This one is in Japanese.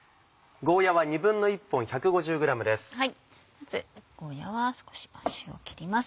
まずゴーヤは少し端を切ります。